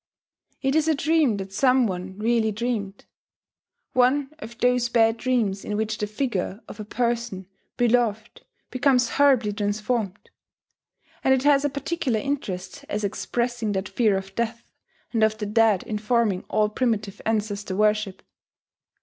It is a dream that some one really dreamed, one of those bad dreams in which the figure of a person beloved becomes horribly transformed; and it has a particular interest as expressing that fear of death and of the dead informing all primitive ancestor worship.